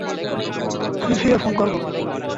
আমি ফিরে ফোন করব।